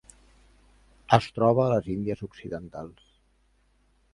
Es troba a les Índies Occidentals.